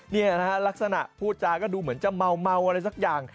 นี่นะฮะลักษณะพูดจาก็ดูเหมือนจะเมาอะไรสักอย่าง